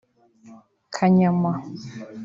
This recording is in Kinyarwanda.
Kanyama